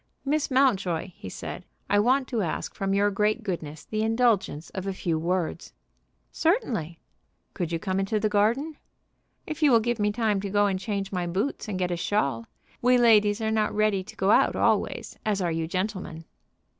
"Miss Mountjoy," he said, "I want to ask from your great goodness the indulgence of a few words." "Certainly." "Could you come into the garden?" "If you will give me time to go and change my boots and get a shawl. We ladies are not ready to go out always, as are you gentlemen."